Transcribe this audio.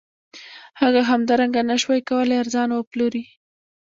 هغه همدارنګه نشوای کولی ارزان وپلوري